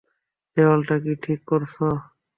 দেয়ালটা কি ঠিক করছো?